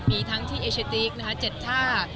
มีทั้งที่เอเชตติก๗ท่า